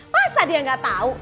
masa dia gak tau